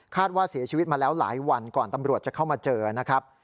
ว่าเสียชีวิตมาแล้วหลายวันก่อนตำรวจจะเข้ามาเจอนะครับ